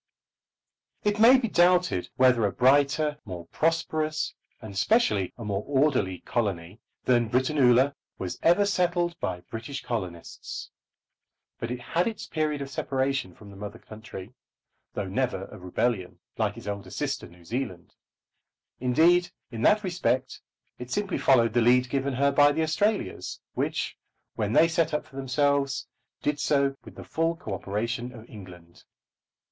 It may be doubted whether a brighter, more prosperous, and specially a more orderly colony than Britannula was ever settled by British colonists. But it had its period of separation from the mother country, though never of rebellion, like its elder sister New Zealand. Indeed, in that respect it simply followed the lead given her by the Australias, which, when they set up for themselves, did so with the full co operation of England.